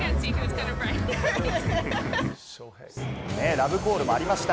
ラブコールもありました。